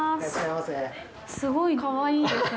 すごいかわいいですね。